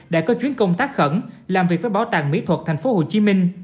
đã có chuyến công tác khẩn làm việc với bảo tàng mỹ thuật tp hcm